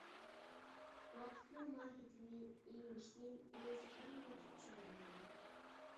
ۋاقىتنىڭ ماھىيىتىنى ئېينىشتىيىن ئۆزى ئەڭ ياخشى چۈشەندۈرگەن.